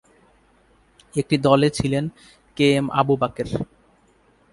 একটি দলে ছিলেন কে এম আবু বাকের।